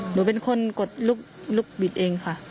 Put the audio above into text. หนูเป็นคนกดลูกบิดเองค่ะ